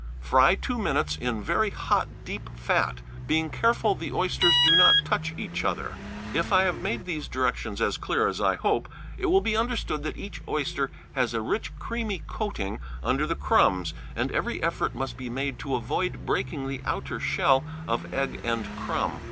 Fry two minutes in very hot deep fat, being careful the oysters do not touch each other. If I have made these directions as clear as I hope, it will be understood that each oyster has a rich creamy coating under the crumbs, and every effort must be made to avoid breaking the outer shell of egg and crumb.